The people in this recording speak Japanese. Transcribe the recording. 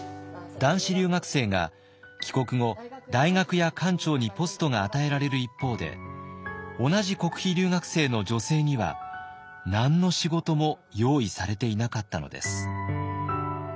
男子留学生が帰国後大学や官庁にポストが与えられる一方で同じ国費留学生の女性には何の仕事も用意されていなかったのです。